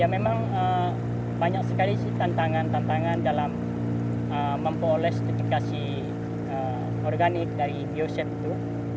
ya memang banyak sekali sih tantangan tantangan dalam memperoleh sertifikasi organik dari bioset itu